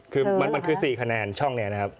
คือมันคือ๔คะแนนช่องนี้นะครับ